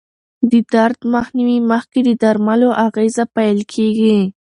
د درد مخنیوي مخکې د درملو اغېزه پېل کېږي.